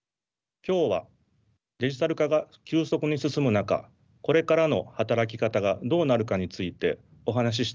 今日はデジタル化が急速に進む中これからの働き方がどうなるかについてお話ししたいと思います。